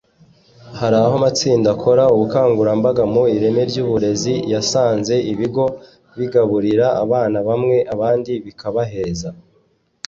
Hari aho amatsinda akora ubukangurambaga ku ireme ry’uburezi yasanze ibigo bigaburira abana bamwe abandi bikabaheza